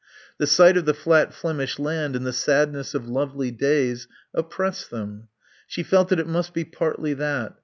The sight of the flat Flemish land and the sadness of lovely days oppressed them. She felt that it must be partly that.